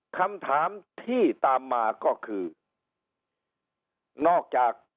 คำถามที่ตามมาก็คือนอกจาก